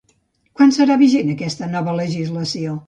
Quan serà vigent aquesta nova legislació?